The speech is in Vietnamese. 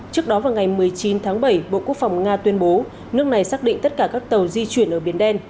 trước đó vào ngày một mươi chín tháng bảy bộ quốc phòng nga tuyên bố nước này xác định tất cả các tàu di chuyển ở biển đen